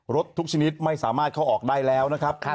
ทุกชนิดไม่สามารถเข้าออกได้แล้วนะครับ